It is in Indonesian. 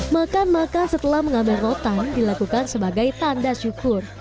makan makan setelah mengambil rotan dilakukan sebagai tanda syukur